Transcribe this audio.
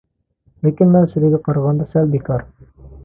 لېكىن مەن سىلىگە قارىغاندا سەل بىكار.